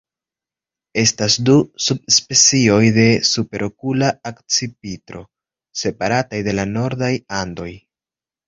Estas du subspecioj de Superokula akcipitro, separataj de la nordaj Andoj.